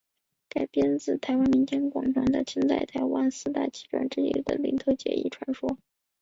改编自台湾民间广传清代台湾四大奇案之一的林投姐一传说。